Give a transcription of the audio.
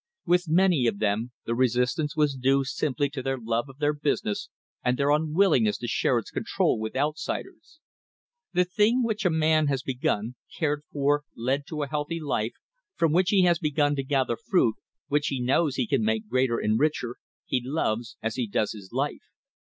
With many of them the resistance was due simply to their love for their business and their unwillingness to share its control with outsiders. The thing which a man has begun, cared for, led to a healthy life, from which he has begun to gather fruit, which he knows he can make greater and richer, he loves as he does his life.